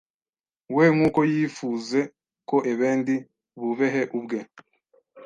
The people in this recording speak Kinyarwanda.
we nk’uko yifuze ko ebendi bubehe ubwe